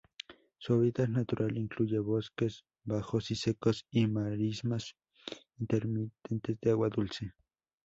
Su hábitat natural incluye bosques bajos y secos y marismas intermitentes de agua dulce.